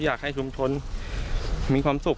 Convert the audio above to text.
อยากให้ชุมชนมีความสุข